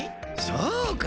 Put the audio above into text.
そうか！